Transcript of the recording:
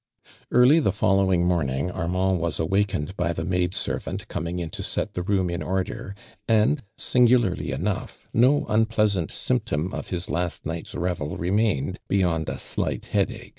Early the following morning, Armand w.i.^ awakened by the maid servant coming in to set the room in order, and singularly enough, no unpleasant symptom of his la*;t night's revel remained, beyond a slight headach.